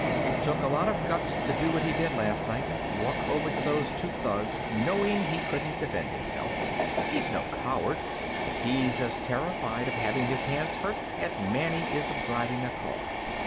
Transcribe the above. It took a lot of guts to do what he did last night walk over to those two thugs knowing he couldn't defend himself. He's no coward. But he's as terrified of having his hands hurt as Manny is of driving a car."